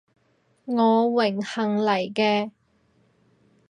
我榮幸嚟嘅